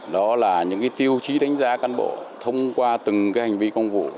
đó là những tiêu chí đánh giá cán bộ thông qua từng hành vi công vụ